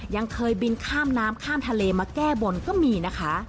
ยังเคยบินข้ามน้ำข้ามทะเลมาแก้บนก็มีนะคะ